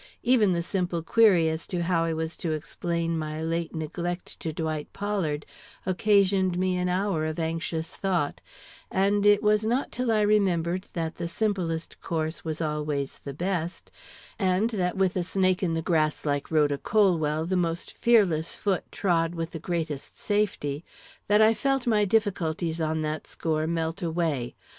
Even the simple query as to how I was to explain my late neglect to Dwight Pollard occasioned me an hour of anxious thought; and it was not till I remembered that the simplest course was always the best, and that with a snake in the grass like Rhoda Colwell, the most fearless foot trod with the greatest safety, that I felt my difficulties on that score melt away.